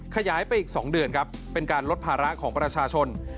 ขยายไปอีก๒เดือนครับเป็นการลดภาระของประชาชน